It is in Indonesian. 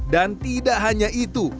dan tidak hanya itu